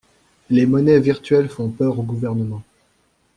Les monnaies virtuelles font peur aux gouvernements.